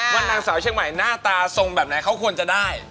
ว่านางสาวเชียงใหม่หน้าตาทรงแบบไหนเขาควรจะได้